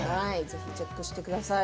チェックしてください。